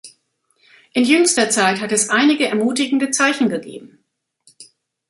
In jüngster Zeit hat es einige ermutigende Zeichen gegeben.